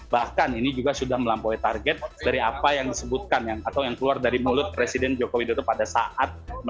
bahkan ini juga sudah melampaui target dari apa yang disebutkan atau yang keluar dari mulut presiden joko widodo pada saat